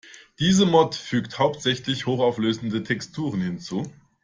Diese Mod fügt hauptsächlich hochauflösende Texturen hinzu.